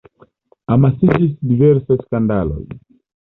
Amasiĝis diversaj skandaloj.